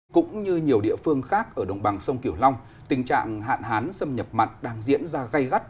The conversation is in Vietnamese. cũng như nhiều địa phương khác ở đồng bằng sông kiểu long tình trạng hạn hán xâm nhập mặn đang diễn ra gây gắt